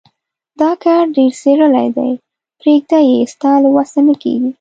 دا کار ډېر څيرلی دی. پرېږده يې؛ ستا له وسه نه کېږي.